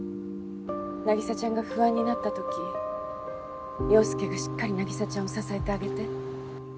凪沙ちゃんが不安になったとき陽佑がしっかり凪沙ちゃんを支えてあげて。